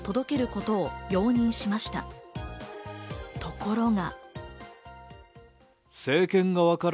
ところが。